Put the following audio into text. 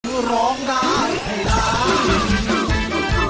คือร้องได้ให้ร้าน